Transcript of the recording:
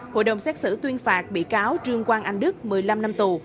hội đồng xét xử tuyên phạt bị cáo trương quang anh đức một mươi năm năm tù